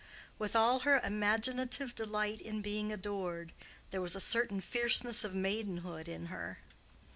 With all her imaginative delight in being adored, there was a certain fierceness of maidenhood in her.